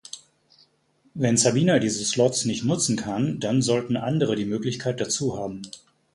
Wenn Sabena diese Slots nicht nutzen kann, dann sollten andere die Möglichkeit dazu haben.